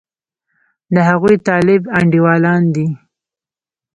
د هغوی طالب انډېوالان دي.